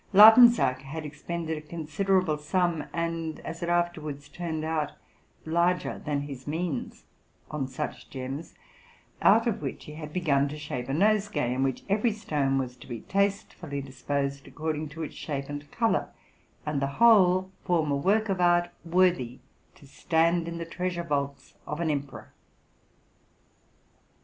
Lautensak had expended a considerable sum, and, as it afterwards turned out, larger than his means, on such gems, out of whigb he had begun to shape a nosegay, in which every stone was to be tastefully disposed, according to its shape and color, and the whole form a work of art worthy to stand in the treasure vaults of an emperor.